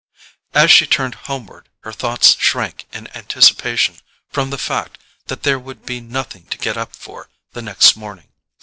As she turned homeward her thoughts shrank in anticipation from the fact that there would be nothing to get up for the next morning.